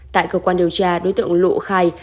tại cơ quan điều tra đối tượng lụ khai